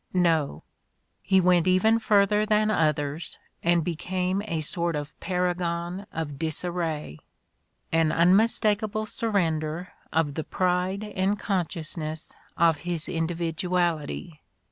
No: "he went even further than others and became a sort of paragon of disarray." An unmistakable sur render of the pride and consciousness of his individu ality